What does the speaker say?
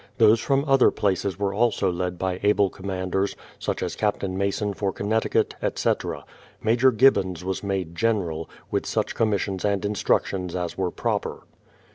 Those from other places were also led by able commanders, such as Captain Mason for Con necticut, etc. Major Gibbons was made General, with such commissions and instructions as were proper.